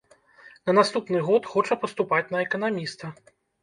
На наступны год хоча паступаць на эканаміста.